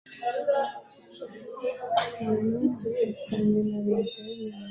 mu mirwano gifitanye na leta y u rwanda